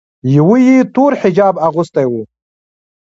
یوه یې تور حجاب اغوستی و.